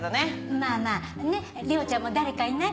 まぁまぁねっ玲緒ちゃんも誰かいない？